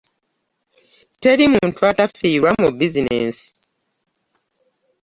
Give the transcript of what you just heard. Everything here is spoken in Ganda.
teri muntu atafiirwa mu bizineesi.